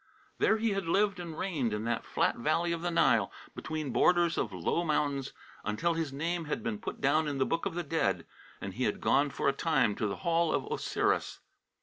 There he had lived and reigned in that flat valley of the Nile, between borders of low mountains, until his name had been put down in the book of the dead, and he had gone for a time to the hall of Osiris.